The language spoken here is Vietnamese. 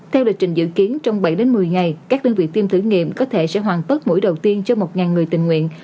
theo lịch trình dự kiến trong bảy đến một mươi ngày các đơn vị tiêm thử nghiệm có thể sẽ hoàn tất mũi đầu tiên cho một người tình nguyện